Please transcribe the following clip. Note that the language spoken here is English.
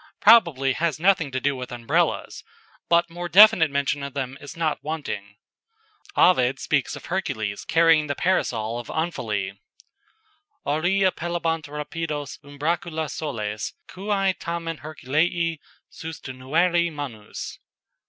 "] probably has nothing to do with Umbrellas, but more definite mention of them is not wanting. Ovid speaks of Hercules carrying the Parasol of Omphale: "Aurea pellebant rapidos umbracula soles, Quæ tamen Herculeæ sustinuere manus."